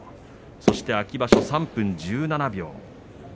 そして秋場所３分１７秒。